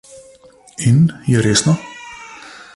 In, je resno?